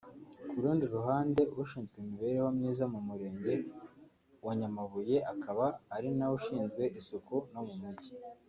Ku rundi ruhande ushinzwe imibereho myiza mu Murenge wa Nyamabuye akaba ari nawe ushinzwe isuku no mu mujyi